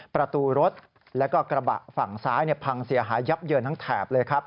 ประตูรถแล้วก็กระบะฝั่งซ้ายพังเสียหายยับเยินทั้งแถบเลยครับ